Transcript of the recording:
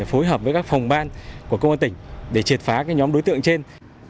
để phối hợp với các phòng ban của công an tỉnh để triệt phá các nhóm đối tượng trên